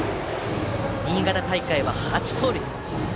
新潟大会は８盗塁。